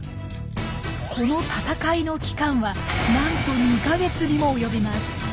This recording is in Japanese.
この戦いの期間はなんと２か月にも及びます。